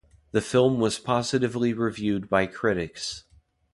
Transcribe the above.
The film was positively reviewed by critics.